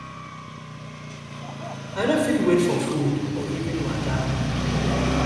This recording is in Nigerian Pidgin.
I no fit wait for food or even watta.